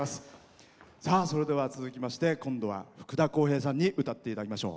それでは続きまして福田こうへいさんに歌っていただきましょう。